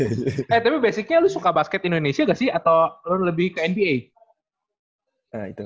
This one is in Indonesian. eh tapi basicnya lo suka basket indonesia gak sih atau lo lebih ke nba